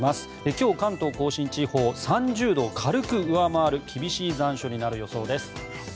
今日、関東・甲信地方３０度を軽く上回る厳しい残暑になる予想です。